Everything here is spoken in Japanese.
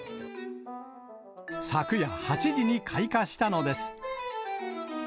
昨夜８時に開花したのです。